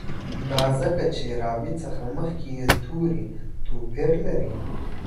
دا ځکه چې روي څخه مخکي یې توري توپیر لري.